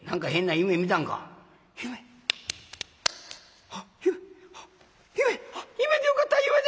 夢でよかった夢で！」。